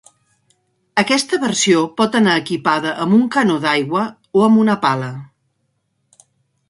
Aquesta versió pot anar equipada amb un canó d'aigua o amb una pala.